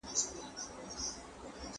په خپل كور كي يې لرمه مثالونه